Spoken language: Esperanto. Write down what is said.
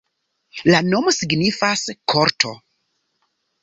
La nomo signifas: korto.